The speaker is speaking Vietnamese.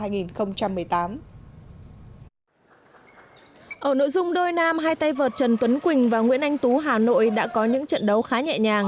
ở nội dung đôi nam hai tay vợt trần tuấn quỳnh và nguyễn anh tú hà nội đã có những trận đấu khá nhẹ nhàng